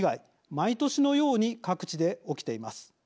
毎年のように各地で起きています。